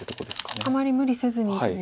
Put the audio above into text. あまり無理せずにという。